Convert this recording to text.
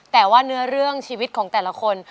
แต่ว่าเนื้อเรื่องชีวิตของแต่ละคน